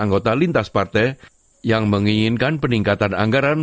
anggota lnp dan anggota lnp yang menginginkan peningkatan anggaran